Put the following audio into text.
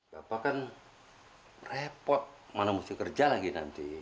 bapak kan repot mana mesti kerja lagi nanti